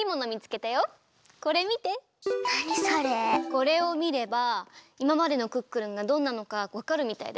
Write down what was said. これをみればいままでの「クックルン」がどんなのかわかるみたいだよ！